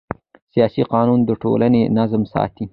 سیاسي قانون د ټولنې نظم ساتي